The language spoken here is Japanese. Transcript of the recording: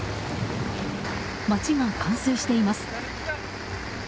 街が冠水しています。